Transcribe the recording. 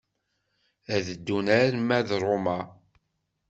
Ad ddun arma d Roma.